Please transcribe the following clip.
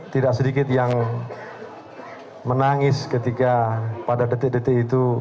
tidak sedikit yang menangis ketika pada detik detik itu